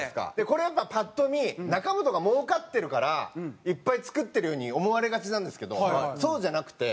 これやっぱパッと見中本がもうかってるからいっぱい作ってるように思われがちなんですけどそうじゃなくて。